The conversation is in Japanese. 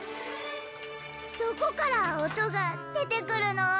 どこから音が出てくるの？